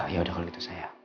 yaudah kalau gitu saya